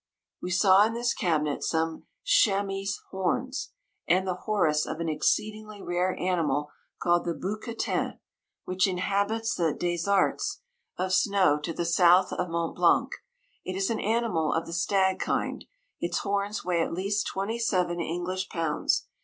We saw in this cabinet some chamois' horns, and the horns of an exceedingly rare animal called the bouquetin, which inhabits the desarts 150 of snow to the south of Mont Blanc: it is an animal of the stag kind ; its horns weigh at least twenty seven Eng lish pounds.